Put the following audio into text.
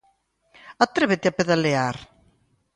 Atrévete a pedalear!